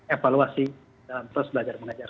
evaluasi terus belajar mengajar